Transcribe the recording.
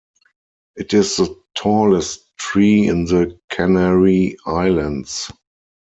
It is the tallest tree in the Canary Islands.